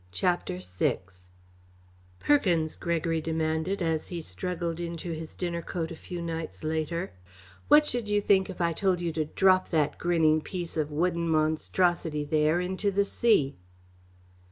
CHAPTER VI "Perkins," Gregory demanded, as he struggled into his dinner coat a few nights later, "what should you think if I told you to drop that grinning piece of wooden monstrosity there into the sea?"